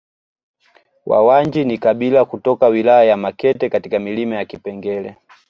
Wawanji ni kabila kutoka wilaya ya Makete katika milima ya Kipengere